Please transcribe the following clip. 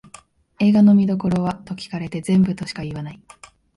映画の見どころはと聞かれて全部としか言わない